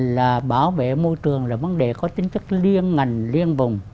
là bảo vệ môi trường là vấn đề có tính chất liên ngành liên vùng